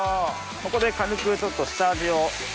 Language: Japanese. ここで軽くちょっと下味を。